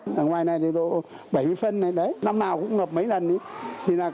đằng ngoài này thì độ bảy mươi phân năm nào cũng ngập mấy lần